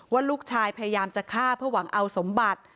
ว่าลูกชายพยายามจะฆ่าเพื่อหวังเอาสมบัติ